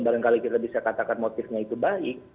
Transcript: dan kalau kita bisa katakan motifnya itu baik